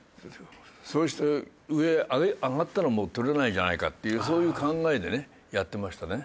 そうして上上がったらもう捕れないじゃないかっていうそういう考えでねやってましたね。